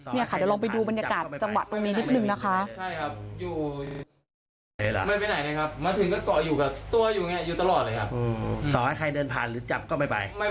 เดี๋ยวลองไปดูบรรยากาศจังหวะตรงนี้นิดนึงนะคะ